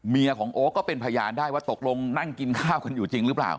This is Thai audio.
ของโอ๊คก็เป็นพยานได้ว่าตกลงนั่งกินข้าวกันอยู่จริงหรือเปล่า